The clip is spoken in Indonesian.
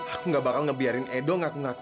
aku gak bakal ngebiarin edo ngaku ngaku